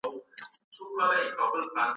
هغه بايد په دغه مصون ځای کي ميشته سي.